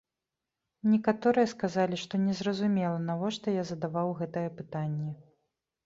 Некаторыя сказалі, што незразумела, навошта я задаваў гэтае пытанне.